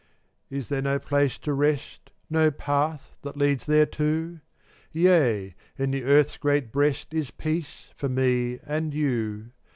440 Is there no place to rest, No path that leads thereto? Yea, in the earth's great breast Is peace for me and you.